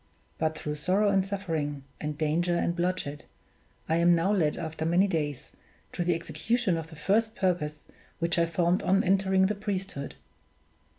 But, through sorrow and suffering, and danger and bloodshed, I am now led, after many days, to the execution of that first purpose which I formed on entering the priesthood.